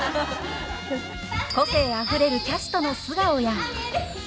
個性あふれるキャストの素顔や。